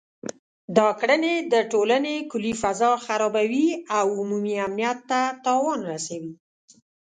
دا کړنې د ټولنې کلي فضا خرابوي او عمومي امنیت ته تاوان رسوي